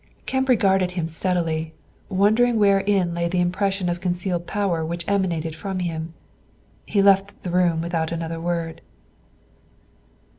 Kemp regarded him steadily, wondering wherein lay the impression of concealed power which emanated from him. He left the room without another word.